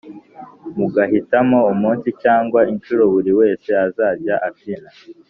mugahitamo umunsi cyangwa inshuro buri wese azajya abyinira